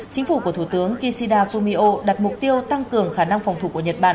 chính phủ của thủ tướng kishida fumio đặt mục tiêu tăng cường khả năng phòng thủ của nhật bản